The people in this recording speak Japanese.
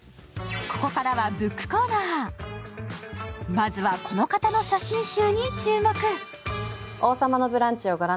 まずはこの方の写真集に注目！